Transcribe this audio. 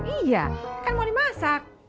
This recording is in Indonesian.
iya kan mau dimasak